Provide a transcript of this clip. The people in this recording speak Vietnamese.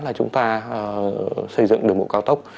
là chúng ta xây dựng đường bộ cao tốc